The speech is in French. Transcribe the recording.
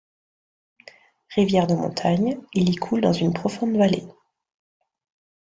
Rivière de montagne, il y coule dans une profonde vallée.